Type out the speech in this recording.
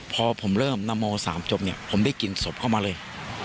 พอผมเริ่มนโม๓จบเนี่ยผมได้กลิ่นศพเข้ามาเลย